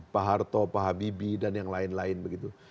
pak harto pak habibie dan yang lain lain begitu